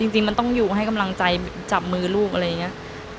จริงมันต้องอยู่ให้กำลังใจจับมือลูกอะไรอย่างนี้